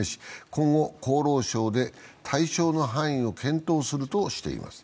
今後、厚労省で対象の範囲を検討するとしています。